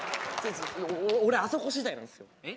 俺あそこ次第なんですよ。えっ？